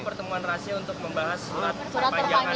pertemuan rahasia untuk membahas surat panjang